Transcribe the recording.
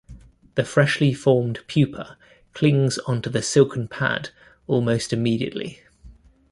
The freshly formed pupa clings onto the silken pad almost immediately.